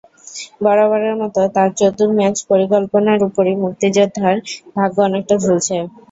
বরাবরের মতো তাঁর চতুর ম্যাচ পরিকল্পনার ওপরই মুক্তিযোদ্ধার ভাগ্য অনেকটা ঝুলছে।